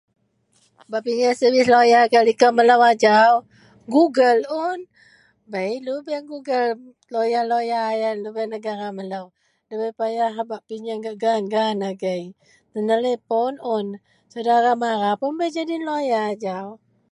Bak penyieng service lawyer gak likou melo ajau google un bei lubeng google lawyer-lawyer gak negara melo debai payah bak penyieng gan-gan agie tenelepon un, saudara mara pun bei jadi lawyer ajau.